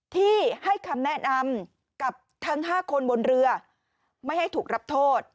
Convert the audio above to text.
ที่ให้คำแนะนำกับทั้ง๕คนบนเรือไม่ให้ถูกรับโทษ